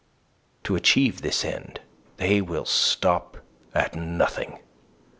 To achieve this end they will stop at nothing.